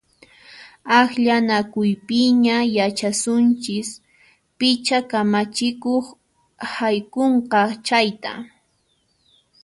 Akllanakuypiña yachasunchis picha kamachikuq haykunqa chayta!